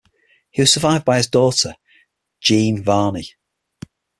He was survived by his daughter Jeanne Varney.